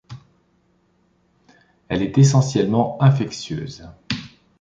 Elle est essentiellement infectieuse.